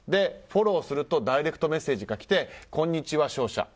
フォローするとダイレクトメッセージが来てこんにちは勝者。